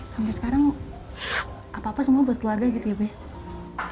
sampai sekarang apa apa semua buat keluarga gitu ya pak ya